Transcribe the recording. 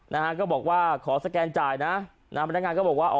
นะฮะก็บอกว่าขอสแกนจ่ายนะนะฮะพนักงานก็บอกว่าอ๋อ